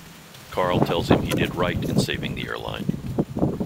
Carl tells him he did right in saving the airline.